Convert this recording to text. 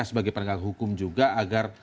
sebagai penegak hukum juga agar